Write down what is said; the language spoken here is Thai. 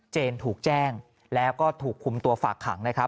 เจนถูกแจ้งและก็ถูกคุมตัวฝากขัง